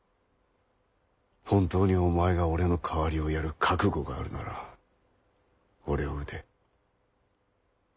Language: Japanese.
本当にお前が俺の代わりをやる覚悟があるなら俺を討て。